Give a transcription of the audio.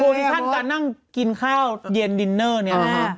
โปรดิชั่นการนั่งกินข้าวเย็นดินเนอร์นี่นะครับ